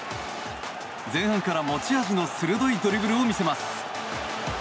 前半から持ち味の鋭いドリブルを見せます。